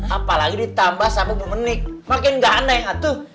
apalagi ditambah sama bu benik makin gak ada yang atu